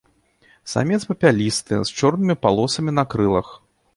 Самец папялісты, з чорнымі палосамі на крылах.